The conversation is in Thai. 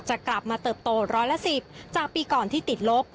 จะกลับมาเติบโตร้อยละ๑๐จากปีก่อนที่ติดลบ